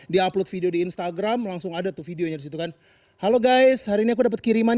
di upload video di instagram langsung ada tuh videonya disitu kan halo guys hari ini aku dapat kiriman